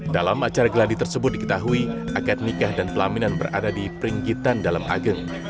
dalam acara geladi tersebut diketahui akad nikah dan pelaminan berada di pringgitan dalam ageng